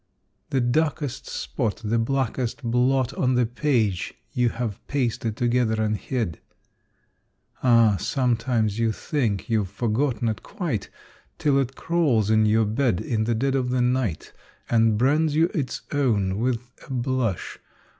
The darkest spot, The blackest blot On the page you have pasted together and hid? Ah, sometimes you think you've forgotten it quite, Till it crawls in your bed in the dead of the night And brands you its own with a blush.